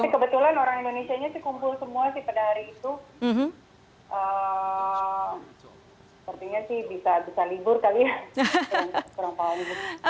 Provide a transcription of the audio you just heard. tapi kebetulan orang indonesianya sih kumpul semua sih pada hari itu sepertinya sih bisa libur kali ya